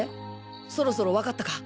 そろそろわかったか？